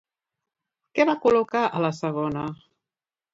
Què va col·locar a la segona?